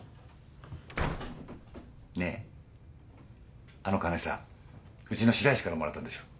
ねえあの金さうちの白石からもらったんでしょ？